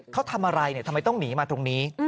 เขาทำอะไรทำไมต้องหนีมาตรงนี้